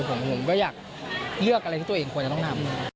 ผมก็อยากเลือกอะไรที่ตัวเองควรจะต้องทำ